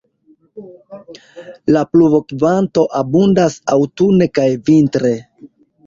La pluvokvanto abundas aŭtune kaj vintre.